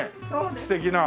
素敵な。